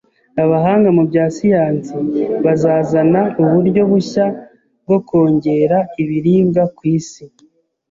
Abahanga mu bya siyansi bazazana uburyo bushya bwo kongera ibiribwa ku isi